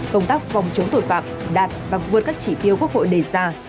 công tác phòng chống tội phạm đạt và vượt các chỉ tiêu quốc hội đề ra